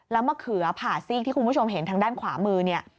แล้วมะเขือผ่าซีกที่คุณผู้ชมเห็นทางด้านขวามือเนี่ย